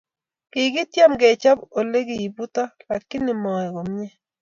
Kikityem kechob olekibutok lakini maek komye